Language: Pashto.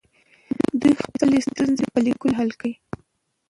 دوی به خپلې ستونزې په لیکلو کې حل کړي.